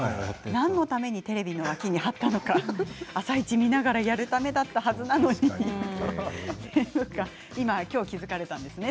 何のためにテレビの脇に貼ったのか「あさイチ」を見ながらやるためだったはずなのに今日気付かれたんですね